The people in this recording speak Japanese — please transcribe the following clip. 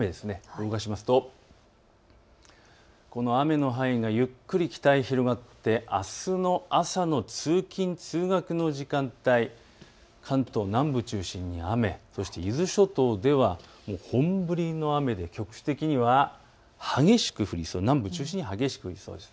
動かしますとこの雨の範囲がゆっくり北へ広がって、あすの朝の通勤、通学の時間帯、関東南部中心に雨、そして伊豆諸島では本降りの雨で局地的には激しく降りそうです。